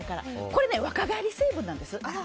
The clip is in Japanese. これ若返り成分なんです。